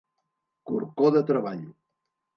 Corcó de treball.